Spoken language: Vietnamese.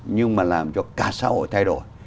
nhưng mà làm cho cả xã hội thay đổi